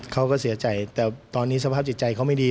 เขาก็เสียใจแต่ตอนนี้สภาพจิตใจเขาไม่ดี